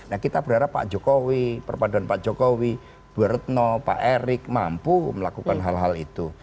nah kita berharap pak jokowi perpaduan pak jokowi bu retno pak erick mampu melakukan hal hal itu